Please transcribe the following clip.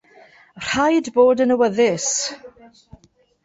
Rhaid bod yn awyddus.